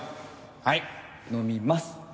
はい飲みます。